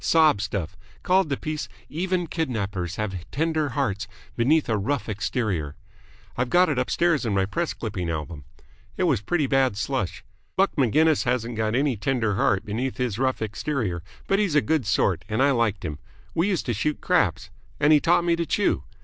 Sob stuff. Called the piece 'Even Kidnappers Have Tender Hearts Beneath A Rough Exterior.' I've got it upstairs in my press clipping album. It was pretty bad slush. Buck Maginnis hasn't got any tender heart beneath his rough exterior, but he's a good sort and I liked him. We used to shoot craps. And he taught me to chew.